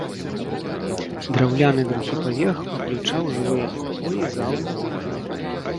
Драўляны другі паверх уключаў жылыя пакоі, залы, кухні.